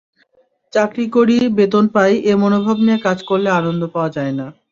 চাকরি করি, বেতন পাই—এ মনোভাব নিয়ে কাজ করলে আনন্দ পাওয়া যায় না।